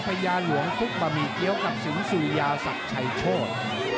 พญาหลวงซุกบะหมี่เกี้ยวกับสิงสุริยาศักดิ์ชัยโชธ